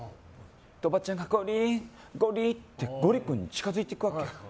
おばちゃんがゴリ、ゴリってゴリ君に近づいていくわけ。